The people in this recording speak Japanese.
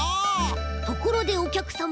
ところでおきゃくさま？